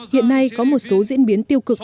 hiện nay có một số diễn biến tiêu cực